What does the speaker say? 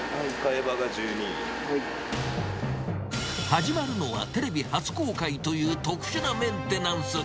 始まるのはテレビ初公開という特殊なメンテナンス。